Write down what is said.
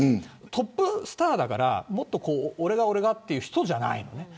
トップスターだから俺が俺がという人じゃないんです。